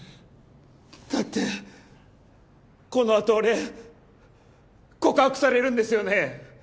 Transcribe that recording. だってこのあと俺告白されるんですよね？